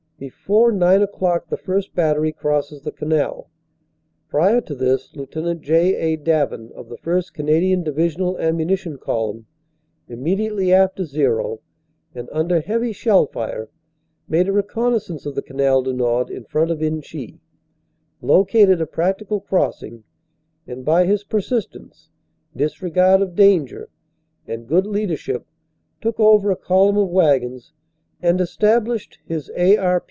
Before nine o clock the first battery crosses the canal. Prior to this, Lt. J. A. Davin, of the 1st. Canadian Divisional Ammunition Column, immediately after "zero" and under heavy shell fire made a reconnaissance of the Canal du Nord in front of Inchy, 218 CANADA S HUNDRED DAYS located a practical crossing, and by his persistance, disregard of danger and good leadership took over a column of wagons and established his A. R.